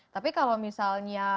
tapi kalau misalnya